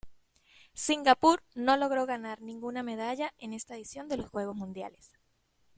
Singapur no logró ganar ninguna medalla en esta edición de los Juegos Mundiales.